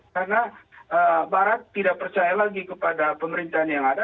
karena barat tidak percaya lagi kepada pemerintahan yang ada